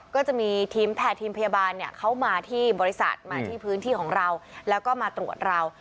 ก็จะมีทีมแพทย์ทีมพยาบาลเข้ามาที่บริษัทมาที่พื้นที่ของเราแล้วก็มาตรวจเรา